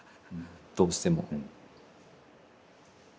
どうしても。